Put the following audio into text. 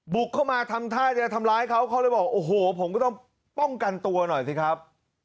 บุกเข้ามาทำท่าจะทำร้ายเขาเขาเลยบอกโอ้โหผมก็ต้องป้องกันตัวหน่อยสิครับ